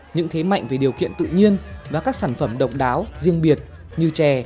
những thế mạnh về điều kiện tự nhiên và các sản phẩm độc đáo riêng biệt như chè